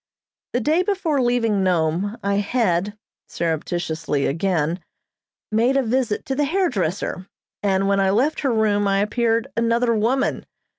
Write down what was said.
The day before leaving Nome I had (surreptitiously again) made a visit to the hairdresser, and when I left her room I appeared another woman.